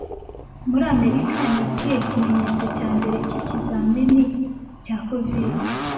Muri Amerika nikihe kimenyetso cya mbere cyikizamini cya kovide